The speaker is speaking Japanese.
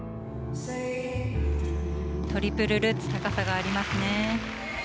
トリプルルッツ、高さがありますね。